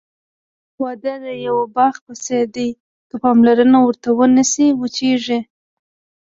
واده د یوه باغ په څېر دی، که پاملرنه ورته ونشي، وچېږي.